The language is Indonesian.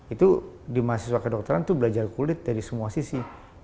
itu di mahasiswa kedokteran itu belajar kulit dari semua sisi